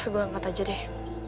gue angkat aja deh